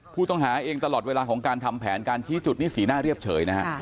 ผู้ต้องหาเองตลอดเวลาของการทำแผนการชี้จุดนี่สีหน้าเรียบเฉยนะฮะ